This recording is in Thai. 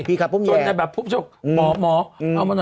พี่ถี่กลับพุ่งแยอหมอหมอ